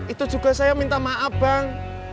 itu juga saya minta maaf bang